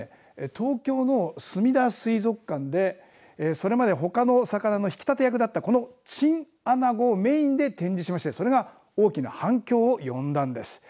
東京のすみだ水族館でそれまでほかの魚の引き立て役だったこのチンアナゴをメインで展示しましてそれが大きな反響を呼んだんです。